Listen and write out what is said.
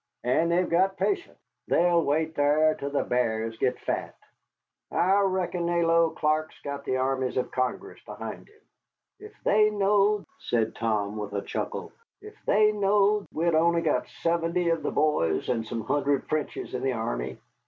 And they've got patience, they'll wait thar till the b'ars git fat. I reckon they 'low Clark's got the armies of Congress behind him. If they knowed," said Tom, with a chuckle, "if they knowed that we'd only got seventy of the boys and some hundred Frenchies in the army!